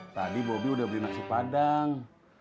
tadi bobi udah beli nasi padang